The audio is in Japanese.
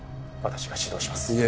私が指導します。